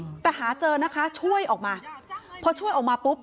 อืมแต่หาเจอนะคะช่วยออกมาพอช่วยออกมาปุ๊บ